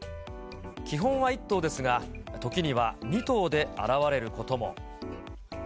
基本は１頭ですが、時には２頭で現れることも。